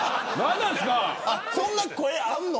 そんな声あるの。